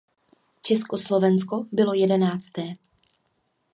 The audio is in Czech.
Československo bylo jedenácté.